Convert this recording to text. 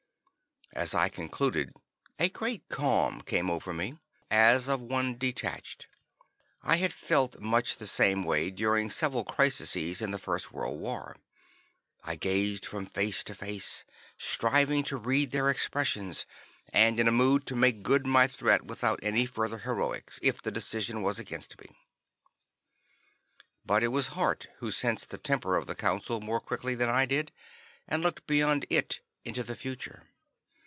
As I concluded, a great calm came over me, as of one detached. I had felt much the same way during several crises in the First World War. I gazed from face to face, striving to read their expressions, and in a mood to make good my threat without any further heroics, if the decision was against me. But it was Hart who sensed the temper of the Council more quickly than I did, and looked beyond it into the future.